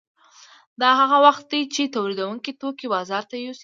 دا هغه وخت دی چې تولیدونکي توکي بازار ته یوسي